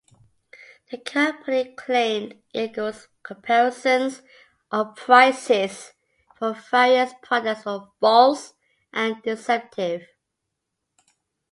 The company claimed Eagle's comparisons of prices for various products were false and deceptive.